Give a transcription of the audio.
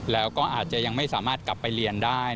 แล้วก็อาจจะยังไม่สามารถกลับไปเรียนได้